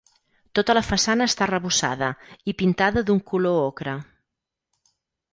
Tota la façana està arrebossada i pintada d'un color ocre.